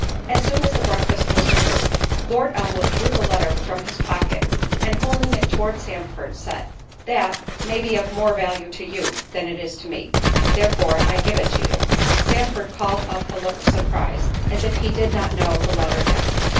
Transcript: As soon as the breakfast was removed, Lord Elmwood drew the letter from his pocket, and holding it towards Sandford, said, "That, may be of more value to you, than it is to me, therefore I give it you." Sandford called up a look of surprise, as if he did not know the letter again.